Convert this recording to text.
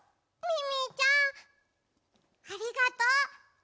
ミミィちゃんありがとう。